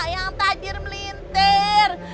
yang tajir melintir